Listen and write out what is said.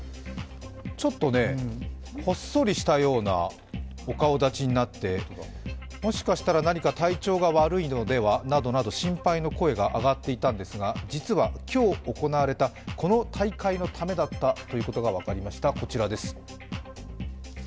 ちょっとね、ほっそりしたようなお顔だちになって、もしかしたら何か体調が悪いのではなどなど心配の声が上がっていたんですが実は今日行われたこの大会のためだったということが分かりました、こちらです。